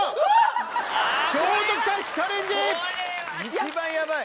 一番ヤバい。